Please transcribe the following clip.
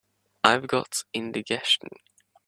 I've got indigestion.